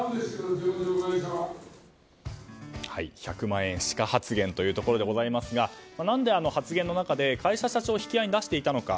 １００万円しか発言ということですが何で発言の中で会社社長を引き合いに出したのか。